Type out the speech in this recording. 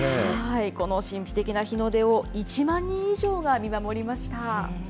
この神秘的な日の出を、１万人以上が見守りました。